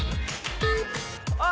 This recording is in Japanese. あっ！